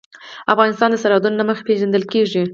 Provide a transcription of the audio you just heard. افغانستان د سرحدونه له مخې پېژندل کېږي.